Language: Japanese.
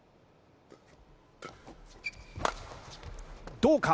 どうか？